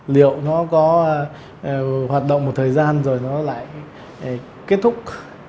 liệu nó có hoạt động một thời gian rồi nó lại kết thúc